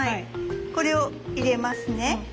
これを入れますね。